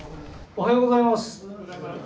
おはようございます。